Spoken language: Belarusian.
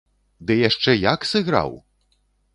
Ды яшчэ як сыграў!